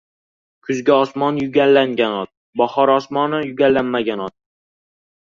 • Kuzgi osmon — yuganlangan ot, bahor osmoni — yuganlanmagan ot.